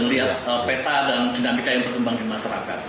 melihat peta dan dinamika yang berkembang di masyarakat